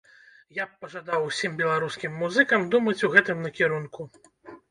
Я б пажадаў усім беларускім музыкам думаць у гэтым накірунку.